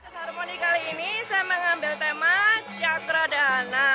di harmoni kali ini saya mengambil tema cakra dahana